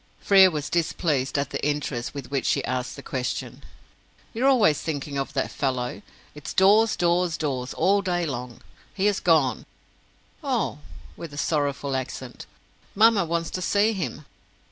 Frere was displeased at the interest with which she asked the question. "You are always thinking of that fellow. It's Dawes, Dawes, Dawes all day long. He has gone." "Oh!" with a sorrowful accent. "Mamma wants to see him."